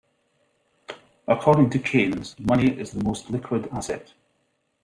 According to Keynes, money is the most liquid asset.